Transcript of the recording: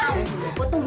tunggu tunggu tunggu